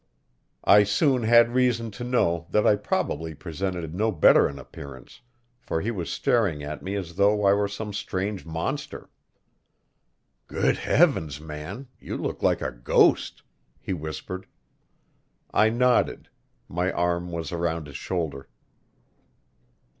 I soon had reason to know that I probably presented no better an appearance, for he was staring at me as though I were some strange monster. "Good Heavens, man, you took like a ghost!" he whispered. I nodded; my arm was round his shoulder.